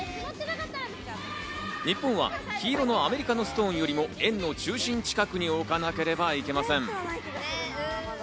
日本は黄色のアメリカのストーンよりも円の中心近くに置かなければいけません。